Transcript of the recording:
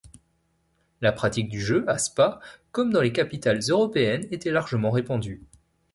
La pratique du jeu à Spa comme dans les capitales européennes était largement répandue.